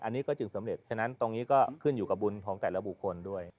อันนี้ก็จึงสำเร็จฉะนั้นตรงนี้ก็ขึ้นอยู่กับบุญของแต่ละบุคคลด้วย